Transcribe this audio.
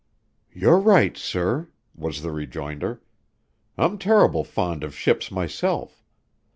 "You're right, sir," was the rejoinder. "I'm terrible fond of ships myself.